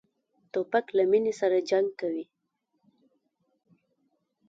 توپک له مینې سره جنګ کوي.